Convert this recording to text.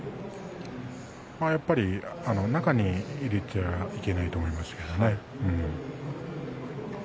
やはり中に入れてはいけないと思います。